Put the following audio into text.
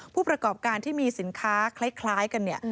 ผู้ประกอบการที่มีสินค้าคล้ายกันเนี่ย